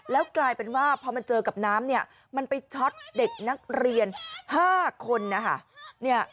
แล้วกลายเป็นว่าพอมันเจอกับน้ำเนี่ยมันไปช็อตเด็กนักเรียน๕คนนะคะ